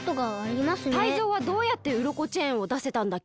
タイゾウはどうやってウロコチェーンをだせたんだっけ？